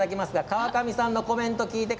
河上さんのコメントです。